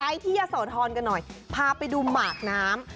ที่ยะโสธรกันหน่อยพาไปดูหมากน้ำ